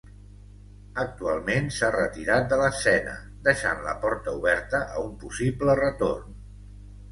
Actualment s'ha retirat de l'escena, deixant la porta oberta a un possible retorn.